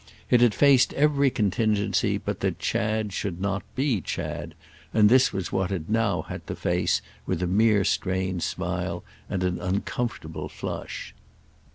It had faced every contingency but that Chad should not be Chad, and this was what it now had to face with a mere strained smile and an uncomfortable flush.